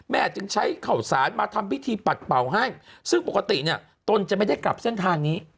จึงใช้ข่าวสารมาทำพิธีปัดเป่าให้ซึ่งปกติเนี่ยตนจะไม่ได้กลับเส้นทางนี้